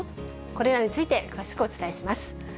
これらについて詳しくお伝えします。